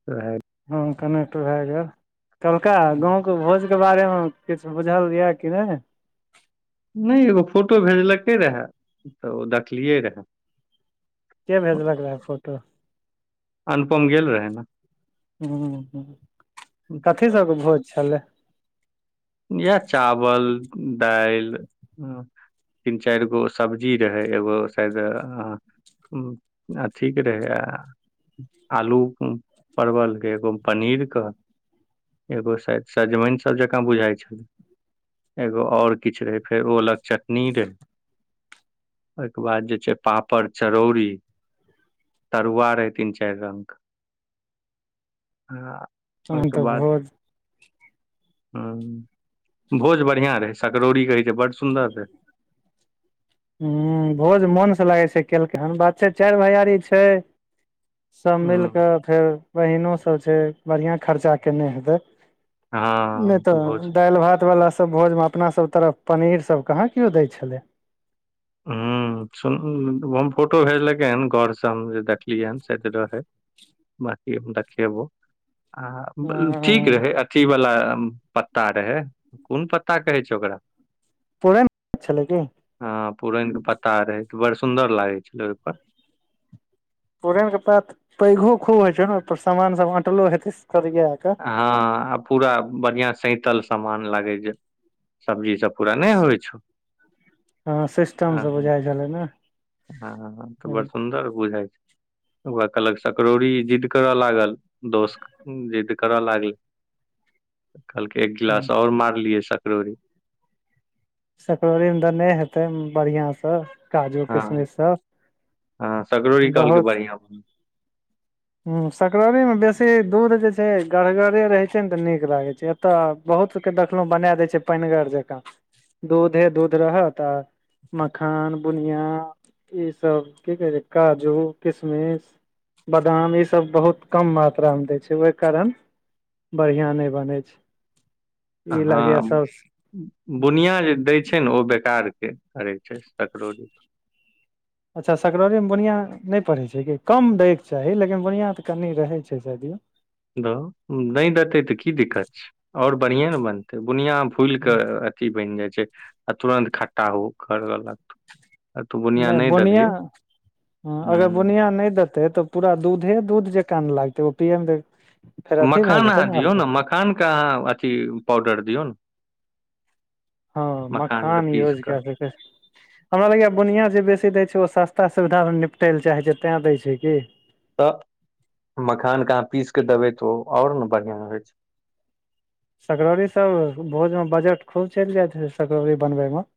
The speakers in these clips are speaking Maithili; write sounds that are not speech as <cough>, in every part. <unintelligible> हँ कनेक्ट भए गेल कौल्हका गाँवके भोज के बारे मे किछु बुझल यऽ कि नहि नहि एगो फोटो भेजलकै रहए तऽ ओ देखलियै रहए के भेजलक रहै फोटो अनुपम गेल रहै ने ह कथी तऽ सबके भोज छलै याह चावल दालि तीन चारि गो सब्जी रहै एगो शायद आ ह आ अथिक रहैया आलू परवल के एगो पनीरके एगो सायद सजमनि सब जका बुझाय छै एगो आओर किछु रहे फेर ओलक चटनी रहे ओहिके बाद जे छै पापड़ चरौरी तरुआ रहै तीन चारि रंगके आ तहन ओहिके तऽ बाद भोज ह भोज बढ़ियां रहे सकरौरी कहे छै बड सुन्दर रहे ह भोज मोन से लागै छै केलकै हन बात छै चारि भैआरी छै सभ हूँ मिलि कऽ फेर बहीनोसभ छै बढ़िआँ खर्चा कयने हेतै नहि हँ तऽ भोज दालि भात वाला सब भोज भात अपनासभ तरफ पनीर सब कहाँ केओ दै छलै ह सुन फोटो भेजलकै हन घर सम जे देखलियै हन सायद रहय बाकी हम देखेबो आ ठीक ह रहै अथी वाला पत्ता रहे कोन पत्ता कहै छै ओकरा पूरेमे छलै की हँ पुरैनके पत्ता रहै तऽ बड़ सुन्दर लागै छलै ओहिपर पुरैन‌ के पात पैघो खूब होे छै ने ओ पर सामान सब अंटलो हेते सरिया के हँ आ पूरा बढ़िया सैतल सामान लागे जे सब्जी सब पूरा नहि होइ छौ आ ह बुझलैए ने हँ तऽ बड़ एकदम। सुन्दर बुझाय छै ओहै कहलक सकड़ौरी जिद्द करऽ लागल दोस्त जिद्द करऽ लागलै <inaudible> कहलकै एक गिलास आओर मारलियै सकड़ौरी सकड़ौरी मे देने हेतै बढ़िया सँ काजू हँ किशमिश हँ सब सकरौरी बहुत <unintelligible> ह सकरौरी मे बेसी दूध जे छै गरगरे रहै छै ने तऽ नीक लागै छै तऽ बहुत सबके देखलहु बनाए दै छै पानिगर जकाँ दूधे दूध रहत आ मखान बुनिया ई सब की कहे छै काजू किशमिश गाम मे ई सब बहुत कम मात्रा मे दै छै ओहि कारण बढ़िआँ नहि बनै छै ई लागैया हँ सब बुनिया जे दै छै ने ओ बेकार के करै छै सकड़ौरी अच्छा सकड़ौरि मे बुनिया नहि पढ़ै छै कि कम दैके चाही लेकिन बुनिआँ तऽ कनि रहै छै शायद यौ नहि देतै तऽ की दिक्कत छै आओर बढ़िए ने बनतै बुनिया फूल कऽ अथि बनि जाइ छै आ तुरन्त खट्टा हो करक नहि बुनिया अगर बुनिया नहि देत तै तऽ पूरा दूधे दूध जेका न लागतै ओ पियएमे मखान अहाँ दियौ ने मखानके अहाँ अथी पाउडर दियौ ने हँ के मखान पीस यूज कऽ कए सकै हमरा लगैए बुनियाँ जे बेसी दै छै ओ सस्ता सुविधा में निपटय लए चाहै छै तै दै छै की तऽ मखानके अहाँ पीस कऽ देबै तऽ ओ आओर ने बढ़िया होइ छै सकड़ौरी सब भोज मे बजट खूब चलि जायइत सकड़ौरी बनबय मे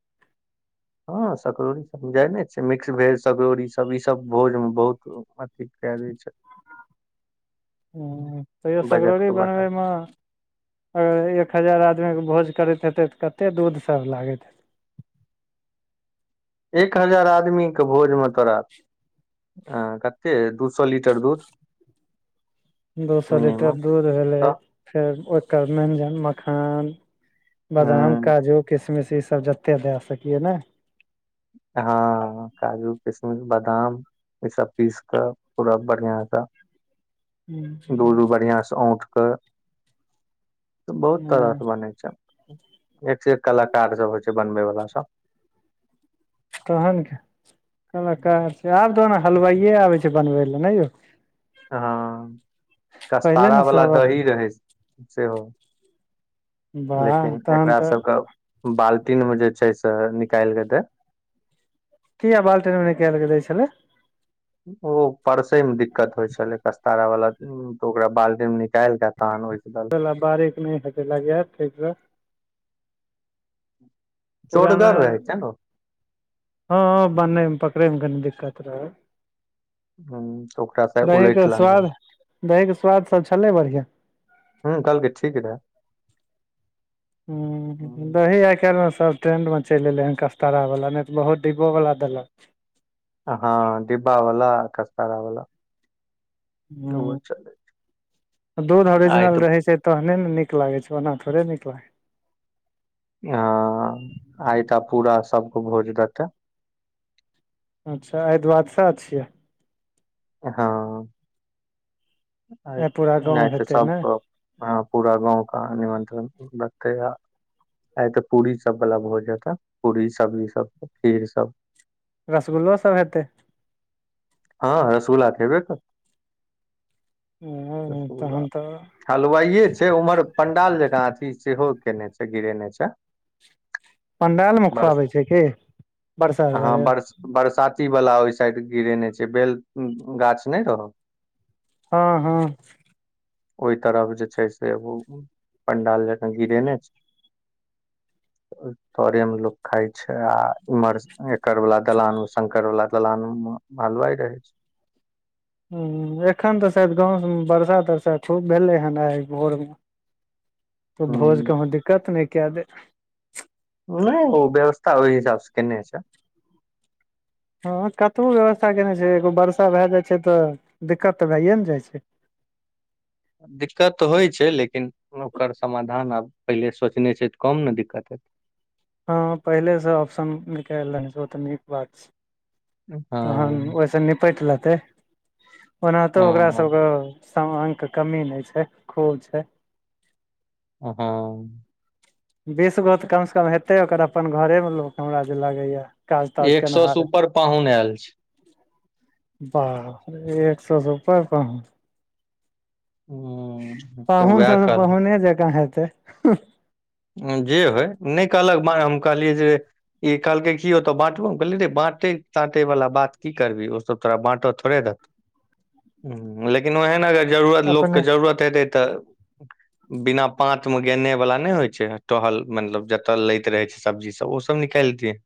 हँ सकड़ौरी सब जाइ ने छै मिक्स भेज सकड़ौरी सब ई सब भोज मे बहुत अति कै दै छै ह तैयो बजट सकड़ौरी के बढ़ा बनबैमे अगर एक हजार आदमी के भोज करैत हेते तऽ कते दूध सब लागैत हेते एक हजार आदमी के भोज मे तोरा ह कते दू सौ लीटर दूध दू सौ मिनिमम लीटर दूध भेलै तऽ फेर ओकर मेनजन मखान बादाम उ काजू किशमिश ई सब जते दै सकिए ने हँ काजू किशमिश बादाम ई सब पीस क पूरा बढ़िया सा दूध उध बढ़ियासँ औठ कऽ बहुत हूं तरहसँ बनेै छै एक से एक कलाकार सब होइ छै बनबै वाला सब तहन कलाकार छै आब तऽ ओ ने हलवाइए आबै छै बनबै लए नहि यौ हँ पहिले कस्तारा ने वला सब अपन दही रहै सेहो वाह लेकिन तहन एकरा तऽ सबके बाल्टीन मे जे छै से निकालि दैय किया बाल्टीन मे निकाल के दै छलै ओ परसै मे दिक्कत होइ छलै कस्तारा वाला तऽ ओकरा बाल्टी मे निकालि कऽ तहन ओहि ओकरा बारिक नहि हेतै लागै यै तै दुआरे पुराना चोड़गर रहै छै ने हँ बनैमे पकड़ैमे कनी दिक्कत रहल तऽ ओकरा से दहीे उलटि के लेने रहे स्वाद दही के स्वाद सब छलै बढ़िआं ह कहलके ठीक रहै हू दही आइकाल्हिमे सब ट्रेंड मे चलि एलै हन कच्कारा वला नहि तऽ बहुत डिब्बो बला देलक हँ डिब्बा वला कच्कारा वला हूंम्म दूध आइ ओरिजिनल तऽ रहै छै तहने ने नीक लागै छै ओना थोड़े नीक लागै छै हाँ आइता पूरा सबके भोज देतै अच्छा आए द्वावदशा छियै हँ आइ पूरा गाँव आय तऽ हेतै सब ने कऽ हँ पूरा गाँव कऽ निमंत्रण दतेै आब आय तऽ पूरी सब वाला भोज हेतय पूरी सब्जी सब खीर सब रसगुल्लो सब हेतै हँ रसगुल्ला तऽ हेबे करतै हूं तहन तऽ हलुवाइये छै उम्हर पंडाल जकाँ अथी सेहो केने छै गिरेने छै पंडाल मे बरस खुआबै छै कि बर्षा आर हँ दुआरे बरस बरसाती वला ओहि साइड गिरेने छै बेल गाछ नहि रहो हँ हँ ओहि तरफ जे छै से एखन पंडाल गिरेने छै <inaudible> <unintelligible> तोरेमे लोग खाय छै आ इम्हर एकड़ वाला दलान मे शंकर वाला दालान मे हलवाइ रहै छै हूंम्म एखन तऽ शायद गाँवमे बरसा तरसा खूब भेलै हन आइ भोरमे तऽ भोज हुं कहूं दिक्कत नहि के दै नहि ओ व्यवस्था ओहि हिसाब से केने छै हँ कतबो व्यवस्था केयने छै एगो वर्षा भए जाइ छै तऽ दिक्कत तऽ भैए ने जाइ छै दिक्कत तऽ होइत छै लेकिन ओकर समाधान आब पहिले सोचने छै तऽ कम ने दिक्कत हेतै हँ पहिलेसँ ऑप्शन निकालि लेने छै ओ तऽ नीक बात छै तहन हँ ओहिसँ निपटि लेतै ओनाहुतो ओकरा हँ सभके समांग के कमी नहि छै खूब छै ओ हॉं बीसगो तऽ कमसँ कम हेतै ओकर अपन घरेमे लोक हमरा जे लगैए एक सौ से उपर पाहुन आयल छै बापरे एक सए से उपर पाहुन हुं पाहुन वएह सब तऽ कहलक पाहुने जकाँ हेतै जे होय नहि कहलक बांय हम कहलियै जे ई कहलकै की ओतऽ बांटु हम कहलियै रे बांटे तांटे बला बात की करबी ओ सब तोरा बांटऽ थोड़े देतो <inaudible> हूँ लेकिन ओहे ने जरूरत लोक के अपने जरूरत हेतै तऽ बिना पाॅंत मे गेने वाला नहि होयते छै टहल मतलब जतय लैत रहे छै सब्जी सब ओ सब निकाल दियै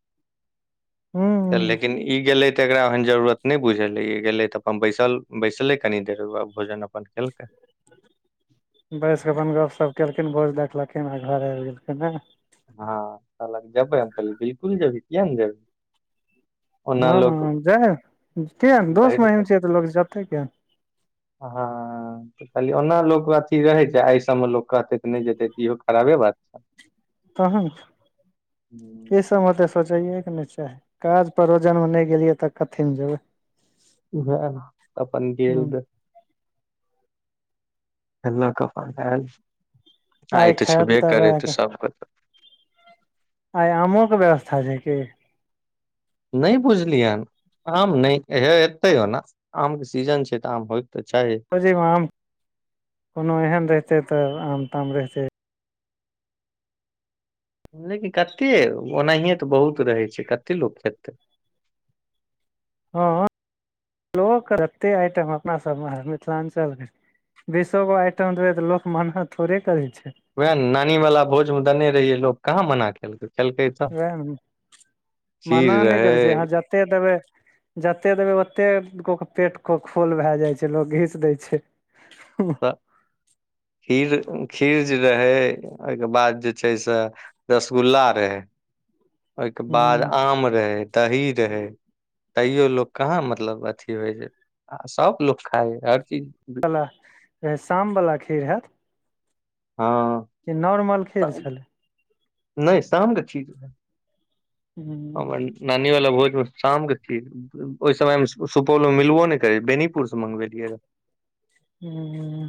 हूँ लेकिन ई गेलै तऽ एकरा एहन जरूरत नहि बुझले ई गेले तऽ अपन बैसल बैसले कनी देर भोजन अपन केलकै बैसिकऽ अपन गप्पशप कयेलखिन भोज देखलखिन आओर घर आबि गेलखिन नै हँ कहलक जेबै हम कहली बिलकुल जेबै किए नै जेबै हॅं जाए किएक दोस्त भरि महिम छियै तऽ लोक जेतै किए ने हाँ कहलीयै ओना लोक अथी रहै छै एहि सभमे लोक कहतै तऽ नहि जेतै तऽ इहो खराबे बात छै तहन की ई हम्म, सबमे तऽ सोचैएके नै चाही काज परोजनमे नहि गेलियै तऽ कथीमे जेबै उएह नऽ <unintelligible> अपन गेल हूँ रही ल क अपन आयल आइ ते खायत छेबे करे दबाए त सबके तऽ आय आमोे के व्यवस्था छै की नहि बुझलियनि आम नहि हे एतै ओना आम के सीजन छै तऽ आम होयके तऽ चाही खोजी मे आम कोनो एहन रहिते तऽ आम ताम रहतै लेकिन कते ओनाहिए तऽ बहुत रहै छै कतेक लोक खेतै हँ लोक एते आइटम अपना सबमे मिथिलाञ्चलके बीसोगो आइटम देबै तऽ लोक मना थोड़े करै छै वएह नानी वाला भोज में देने रहिय लोग कहाँ मना केलकै खेलकै तऽ वएह ने खीर रहै दे देबै जते देबै ओते गो के पेटके खोल भए जाइ छै लोग घीच दै छै हूंह खीर खीर जे रहै ओके बाद जे छै से रसगुल्ला रहै ओहिके बाद हूँ आम रहै दही रहै तैयो लोक कहाँ मतलब अथी होइ जे आ सभ लोग खाय हर चीज लाऽ शाम बाला खीर हैत हँ कि नॉर्मल खीर छलै नहि शाम क खीर हम हूँ नानी वाला भोजमे शाम क खीर ओहि समय मे सुपौल मे मिलबो नहि करै बेनीपुर से मंगवेलियै रहैय ह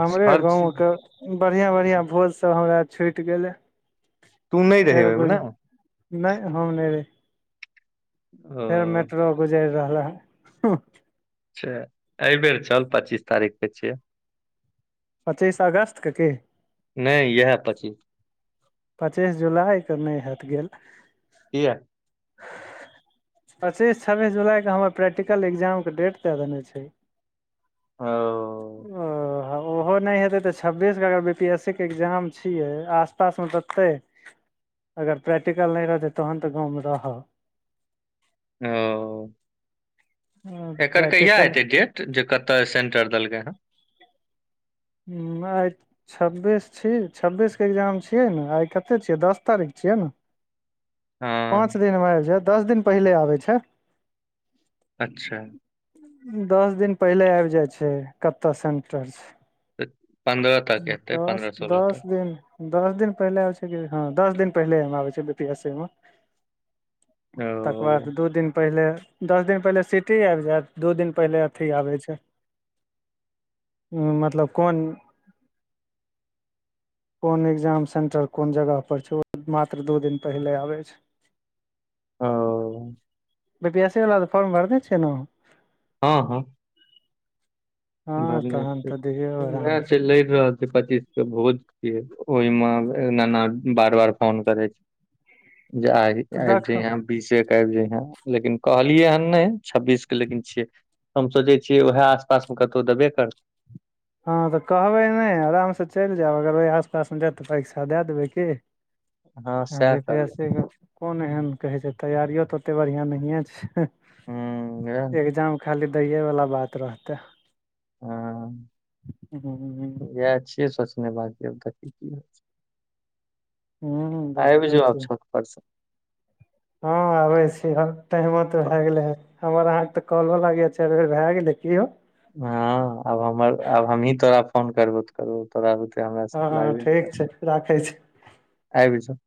हमरे हर चीज गाँवके बढ़िआं बढ़िआँ भोज सब हमरा छुटि गेलै तू नहि रहे फेर ओहिमे ने गुज नहि हम नहि रही फेर ओ मेट्रो गुजैरि रहलाह ह अच्छाऽ एहिबेर चल पच्चीस तारीख के छियै पचीस अगस्तके कि नहि इएह पचीस पचीस जुलाइके नहि हेत गेल किया <unintelligible> पच्चीस छब्बीस जुलाइके हमर प्रैक्टिकल एकग्जामके डेट दऽ देने छै ओ ओ ह ओ ओहो नहि हेतै तऽ छब्बीसके अगर बी पी एस सी के एग्जाम छियै आसपासमे तऽ अगर प्रैक्टिकल नहि रहतै तहन तऽ गाँवमे रहऽ ओ एकर कहिया प्रैक्टिकल एते डेट जे कतय सेंटर देलकै हँ हूँ आय छब्बीस छी छब्बीसके एग्जाम छियै ने आय कतेक छियै दस तारीख छियै ने हँ पाँच दिनमे आबि जाय दस दिन पहिले आबैत छै अच्छा दस दिन पहिले आबि जाय छै कत्तऽ सेंटर छै तऽ पन्द्रह तक एतै दस पन्द्रह सोलह दस तक दिन दस दिन पहिले आबै छै कि हँ दस दिन पहिले हम आबै छै बी पी एस सी मे ओ तकर बाद दू दिन पहिले दस दिन पहिले सिटी आबि जायत दू दिन पहिले अथी आबै छै ह मतलब कोन कोन एग्जाम सेन्टर कोन जगहपर छै ओ मात्र दू दिन पहिले आबै छै ओ बी पी एस सी वला तऽ फॉर्म भरने छै ने हँ हँ हँ भरने तहन तऽ दियौ आराम वएह से छै लड़ रहल पच्चीस के भोज छिय ओहि मेना बार बार फोन करे छै जे आब तऽ जाइ देखह यहाँ बीसे के आबि जाइ हं लेकिन कहलियै हन नहि छब्बीस के लेकिन छिय हम सोचै छियै उएह आस पास मे कतहु देबे करतै हँ तऽ कहबै नहि आरामसँ चलि जायब अगर ओहि आसपासमे जायब तऽ परीक्षा दए देबै की हँ सएह करबै बीपीएससी के कोन एहन कहै छै तैआारियओ तऽ ओतेक बढ़िआँ नहिए छै एह एग्जाम खाली दैएवला बात रहतै हँ हुँ इएह छियै सोचने बाद की हू आब जब छो परसो हँ आबे छी टाइम त तऽ। भए गेले हे हमर अहाँ के तऽ कॉल लाग चारि बेर भए गेलै क हो हँ आब हमर आब हम ही तोरा फोन करबौ त कर तोरा आब त हमरा हँ लाग ठीक छै राखै छी आबी जो